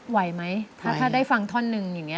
ไหวไหมถ้าได้ฟังท่อนหนึ่งอย่างนี้